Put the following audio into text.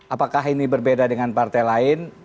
apakah ini berbeda dengan partai lain